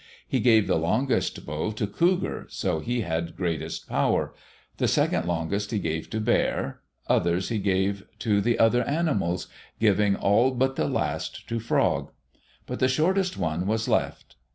He gave the longest bow to Cougar, so he had greatest power; the second longest he gave to Bear; others he gave to the other animals, giving all but the last to Frog. But the shortest one was left.